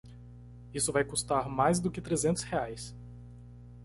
Isso vai custar mais do que trezentos reais.